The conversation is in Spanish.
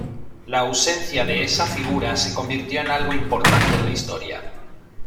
La ausencia de esa figura se convirtió en algo importante en la historia.